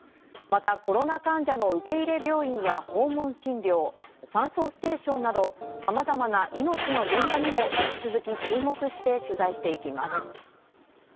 またコロナ患者の受け入れ病院や訪問診療酸素ステーションなどさまざまな命の現場にも引き続き注目して取材して行きます」。